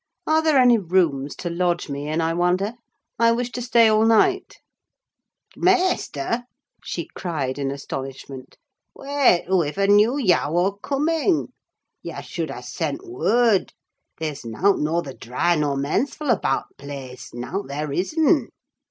Are there any rooms to lodge me in, I wonder? I wish to stay all night." "T' maister!" she cried in astonishment. "Whet, whoiver knew yah wur coming? Yah sud ha' send word. They's nowt norther dry nor mensful abaht t' place: nowt there isn't!"